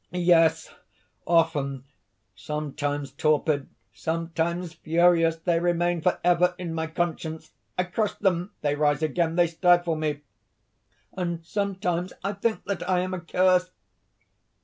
"Yes!... often! Sometimes torpid, sometimes furious they remain forever in my conscience. I crush them; they rise again, they stifle me; and sometimes I think that I am accursed."